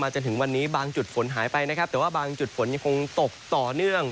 จนถึงวันนี้บางจุดฝนหายไปนะครับแต่ว่าบางจุดฝนยังคงตกต่อเนื่อง